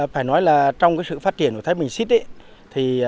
phải nói là trong sự phát triển của thái bình xít ấy